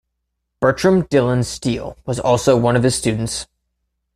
Bertram Dillon Steele was also one of his students.